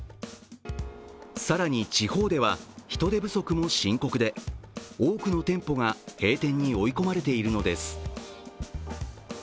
更に地方では人手不足も深刻で多くの店舗が閉店に追い込まれているのです。